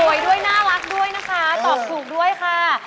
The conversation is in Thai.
ด้วยน่ารักด้วยนะคะตอบถูกด้วยค่ะ